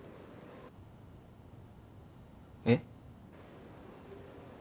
えっ？